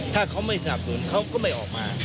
ถ้าเขาไม่สนับสนุนเขาก็ไม่ออกมา